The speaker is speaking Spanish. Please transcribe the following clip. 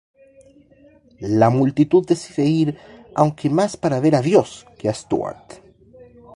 La multitud decide ir aunque mas para ver a Dios que a Stewart.